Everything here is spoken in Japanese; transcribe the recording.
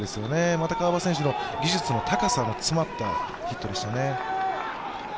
また川端選手の技術の高さが詰まったヒットでしたね。